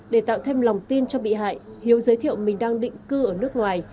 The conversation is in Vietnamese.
để tạo thêm lòng tin cho bị hại hiếu giới thiệu mình đang định cư ở nước ngoài